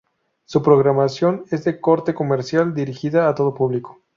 Su programación es de corte comercial, dirigida a todo el público.